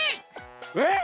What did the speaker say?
えっ！？